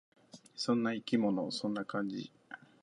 そんな生き物。そんな感じ。